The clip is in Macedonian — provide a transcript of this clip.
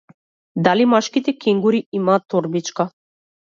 Дали машките кенгури имаат торбичка?